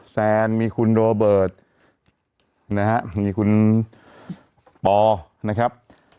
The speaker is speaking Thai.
แซนโรเบิร์ตป